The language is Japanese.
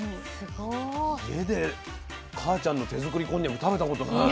家で母ちゃんの手作りこんにゃく食べたことない。